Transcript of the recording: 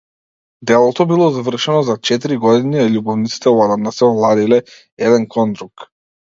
Делото било завршено за четири години, а љубовниците одамна се оладиле еден кон друг.